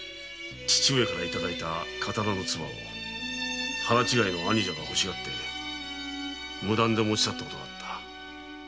父上に頂いた刀の鍔を腹違いの兄者が欲しがって無断で持ち去った事があった。